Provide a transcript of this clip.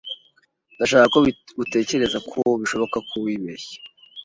Ndashaka ko utekereza ko bishoboka ko wibeshye.